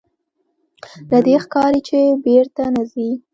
له دې ښکاري چې بېرته نه ځې.